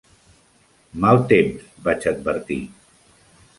Mal temps!, vaig advertir.